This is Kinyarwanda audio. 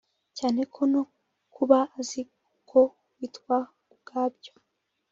cyane ko no kuba azi uko witwa ubwa byo